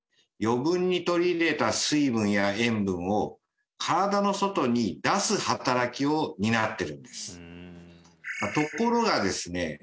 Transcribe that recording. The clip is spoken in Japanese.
余分に取り入れた水分や塩分を身体の外に出す働きを担ってるんですところがですね